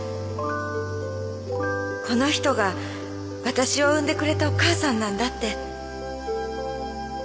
この人がわたしを産んでくれたお母さんなんだって」